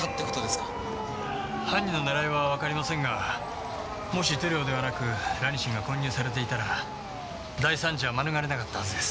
犯人の狙いはわかりませんがもし塗料ではなくラニシンが混入されていたら大惨事は免れなかったはずです。